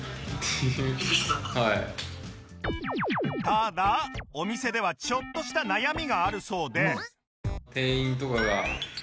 ただお店ではちょっとした悩みがあるそうで